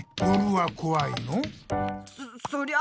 そそりゃあ